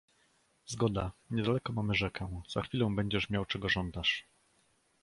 "Zgoda, niedaleko mamy rzekę, za chwilę będziesz miał czego żądasz."